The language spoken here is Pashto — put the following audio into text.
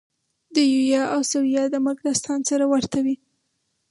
د یویا او ثویا د مرګ داستان سره ورته وي.